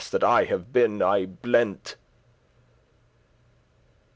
that I have been y blent*."